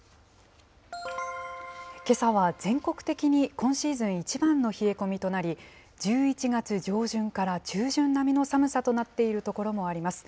けさは全国的に今シーズン一番の冷え込みとなり、１１月上旬から中旬並みの寒さとなっている所もあります。